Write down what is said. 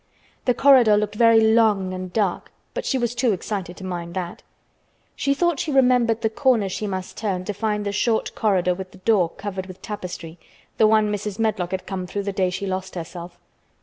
The corridor looked very long and dark, but she was too excited to mind that. She thought she remembered the corners she must turn to find the short corridor with the door covered with tapestry—the one Mrs. Medlock had come through the day she lost herself.